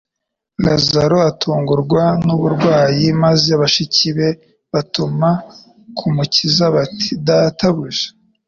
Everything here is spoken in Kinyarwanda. Lazaro atungurwa n'uburwayi, maze bashiki be batuma ku Mukiza, bati : "Databuja,